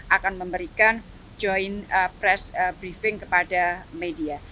akan memberikan joint press briefing kepada media